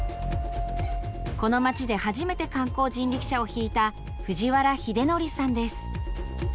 この町で初めて観光人力車を引いた藤原英則さんです。